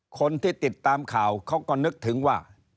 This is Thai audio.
คนที่ติดตามข่าวเขาก็นึกถึงว่า